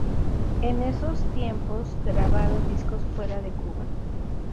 En esos tiempos grabaron discos fuera de Cuba.